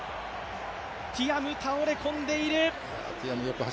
ティアム、倒れ込んでいる。